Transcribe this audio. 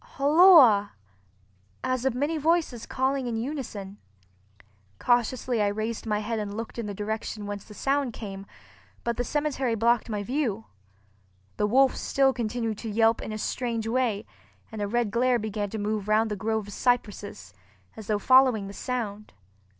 holloa!" as of many voices calling in unison. Cautiously I raised my head and looked in the direction whence the sound came, but the cemetery blocked my view. The wolf still continued to yelp in a strange way, and a red glare began to move round the grove of cypresses, as though following the sound.